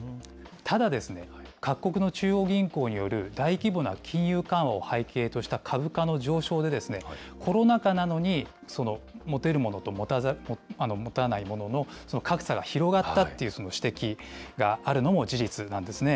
ただ、各国の中央銀行による大規模な金融緩和を背景とした株価の上昇で、コロナ禍なのに、持てる者と持たない者の格差が広がったっていう指摘があるのも事実なんですね。